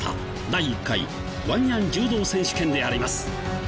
第１回ワンニャン柔道選手権であります。